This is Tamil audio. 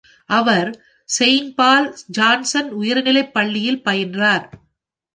அவர் செயின்ட் பால் ஜான்சன் உயர்நிலைப் பள்ளியில் பயின்றார்.